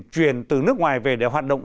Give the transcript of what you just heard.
truyền từ nước ngoài về để hoạt động